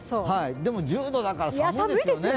でも、１０度だから寒いですよね。